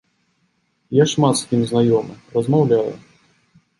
Я шмат з кім знаёмы, размаўляю.